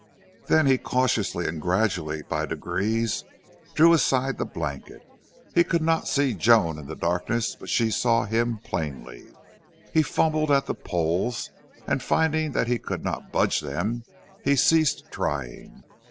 Then he cautiously and gradually, by degrees, drew aside the blanket. He could not see Joan in the darkness, but she saw him plainly. He fumbled at the poles, and, finding that he could not budge them, he ceased trying.